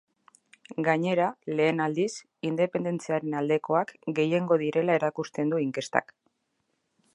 Gainera, lehen aldiz, independentziaren aldekoak gehiengo direla erakusten du inkestak.